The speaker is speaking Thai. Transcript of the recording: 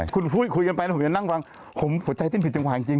คุณพูดคุยกันไปแล้วผมจะนั่งฟังผมหัวใจเต้นผิดจังหวะจริง